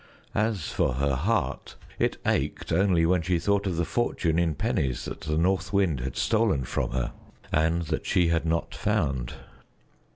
As for her heart, it ached only when she thought of the fortune in pennies that the North Wind had stolen from her, and that she had not found.